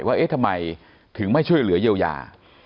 ว่าเอ๊ะทำไมถึงไม่ช่วยเหลือเยียวยา